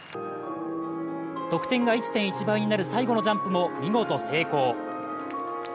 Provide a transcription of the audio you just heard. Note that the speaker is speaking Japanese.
得点が１．１倍になる最後のジャンプも見事成功。